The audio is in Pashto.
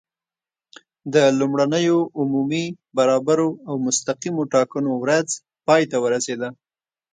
د لومړنیو عمومي، برابرو او مستقیمو ټاکنو ورځ پای ته ورسېده.